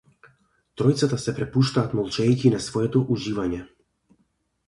Тројцата се препуштаат молчејќи на своето уживање.